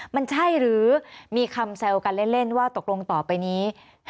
มันใช่หรือมีคำแซวกันเล่นว่าตกลงต่อไปนี้